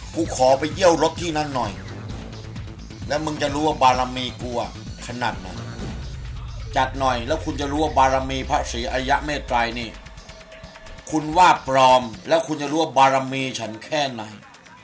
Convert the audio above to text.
คุณจะรู้ว่าบารมีพระศรีอัยะเมตรคนนี้คุณว่าความพลองและคุณจะรู้ว่าบารมีชั้นแค่ไหน